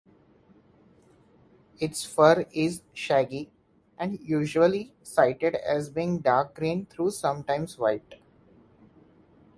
Its fur is shaggy, and usually cited as being dark green though sometimes white.